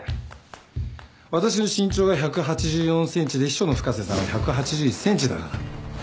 私の身長が１８４ｃｍで秘書の深瀬さんは１８１ｃｍだから。